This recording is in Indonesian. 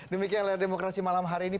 demikian layar demokrasi malam hari ini